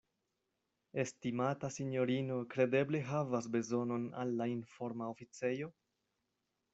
Estimata sinjorino kredeble havas bezonon al la informa oficejo?